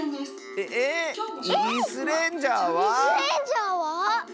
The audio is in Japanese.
えっ⁉「イスレンジャー」は？